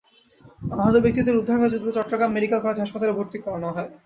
আহত ব্যক্তিদের উদ্ধার করে দ্রুত চট্টগ্রাম মেডিকেল কলেজ হাসপাতালে ভর্তি করানো হয়।